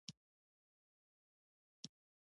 ژبه د فکر وسیله ده.